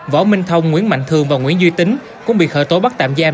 võ minh thông nguyễn mạnh thương và nguyễn duy tính cũng bị khởi tố bắt tạm giam